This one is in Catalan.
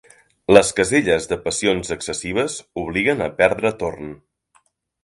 Les caselles de passions excessives obliguen a perdre torn.